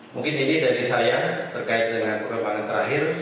mungkin ini dari saya terkait dengan perkembangan terakhir